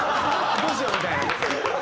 「どうしよう」みたいな。